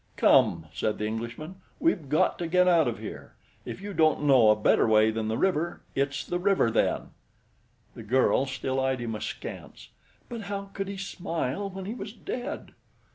"Come!" said the Englishman. "We've got to get out of here. If you don't know a better way than the river, it's the river then." The girl still eyed him askance. "But how could he smile when he was dead?"